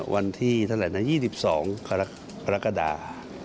วันที่๒๒ภรรยาปรกฎา